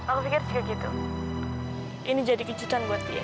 aku pikir kayak gitu ini jadi kejutan buat dia